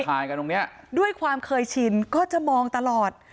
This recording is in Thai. ถ่ายกันตรงเนี้ยด้วยความเคยชินก็จะมองตลอด